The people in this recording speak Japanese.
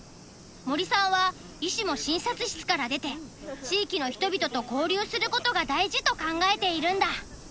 森さんは医師も診察室から出て地域の人々と交流することが大事と考えているんだ。